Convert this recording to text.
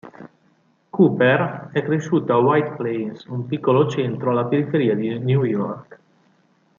Cooper è cresciuto a White Plains, un piccolo centro alla periferia di New York.